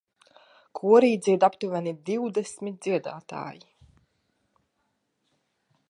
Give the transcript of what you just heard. Korī dzied aptuveni divdesmit dziedātāji